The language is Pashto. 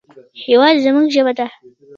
هېواد زموږ ژبه ده